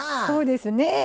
そうですね。